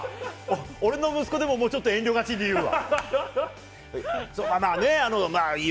俺の息子でも、もうちょっと遠慮がちに言うわ！